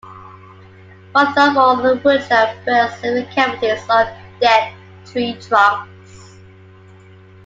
One third of all woodland birds live in the cavities of dead tree trunks.